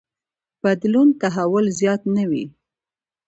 بدلون تحول زیات نه وي.